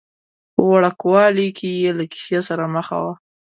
په وړوکوالي کې یې له کیسې سره مخه وه.